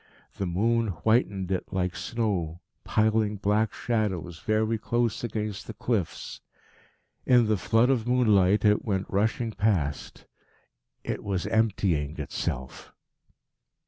The moon whitened it like snow, piling black shadows very close against the cliffs. In the flood of moonlight it went rushing past. It was emptying itself.